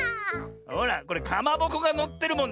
ほらこれかまぼこがのってるもんね。